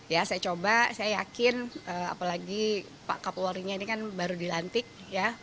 ya saya coba saya yakin apalagi pak kapolrinya ini kan baru dilantik ya